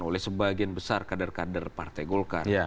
oleh sebagian besar kader kader partai golkar